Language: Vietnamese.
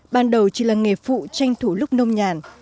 ban đầu chỉ là nghề phụ tranh thủ lúc nông nhàn